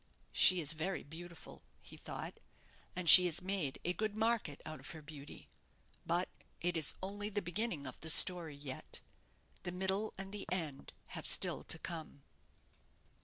"She is very beautiful," he thought, "and she has made a good market out of her beauty; but it is only the beginning of the story yet the middle and the end have still to come."